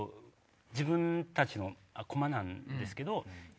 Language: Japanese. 自分たちのコマなんですけど。